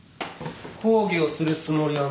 講義をするつもりはない。